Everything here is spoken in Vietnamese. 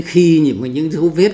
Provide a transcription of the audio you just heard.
khi những dấu vết